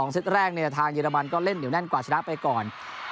๒เซตแรกในทางเยอรมนีก็เล่นแน่นกว่าชนะไปก่อน